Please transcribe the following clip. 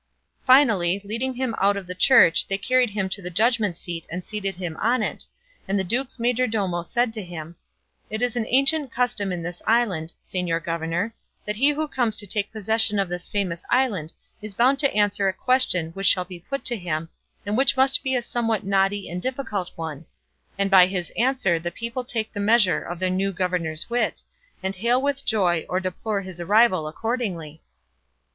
Finally, leading him out of the church they carried him to the judgment seat and seated him on it, and the duke's majordomo said to him, "It is an ancient custom in this island, señor governor, that he who comes to take possession of this famous island is bound to answer a question which shall be put to him, and which must be a somewhat knotty and difficult one; and by his answer the people take the measure of their new governor's wit, and hail with joy or deplore his arrival accordingly."